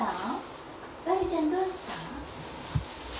ワビちゃんどうしたん？